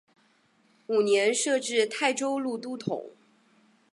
五年设置泰州路都统。